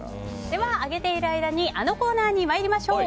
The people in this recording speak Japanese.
では、揚げている間にあのコーナーに参りましょう。